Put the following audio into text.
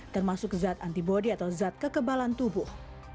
termasuk zat antibody atau zat kekebalan tubuh